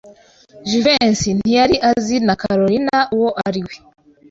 Jivency ntiyari azi na Kalorina uwo ari we.